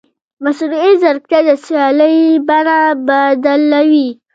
مصنوعي ځیرکتیا د سیالۍ بڼه بدلوي.